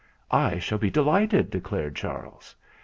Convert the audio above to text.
"I shall be delighted," declared Charles.